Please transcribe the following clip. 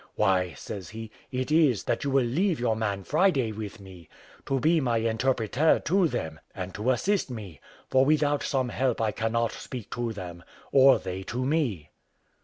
"Why," says he, "it is, that you will leave your man Friday with me, to be my interpreter to them, and to assist me; for without some help I cannot speak to them, or they to me."